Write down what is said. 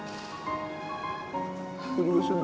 aku benar benar begitu saja banget